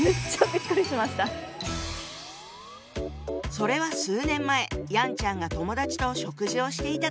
それは数年前ヤンちゃんが友達と食事をしていた時のこと。